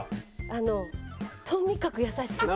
あのとにかく優しくて。